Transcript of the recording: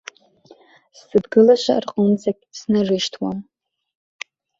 Сзыдгылаша рҟынӡагь снарышьҭуам.